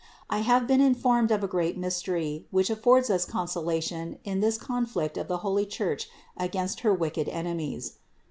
I have been informed of a great mystery, which affords us consolation in this con flict of the holy Church against her wicked enemies.